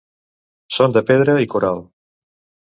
Són de pedra i coral.